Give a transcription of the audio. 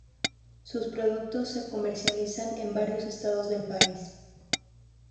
Sus productos se comercializan en varios estados del país.